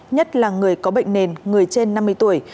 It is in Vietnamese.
nhất là người có bệnh nền người trên năm mươi tuổi